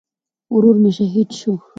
ورور مې شهید شو